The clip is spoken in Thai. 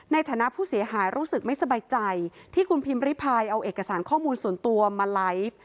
ในฐานะผู้เสียหายรู้สึกไม่สบายใจที่คุณพิมพ์ริพายเอาเอกสารข้อมูลส่วนตัวมาไลฟ์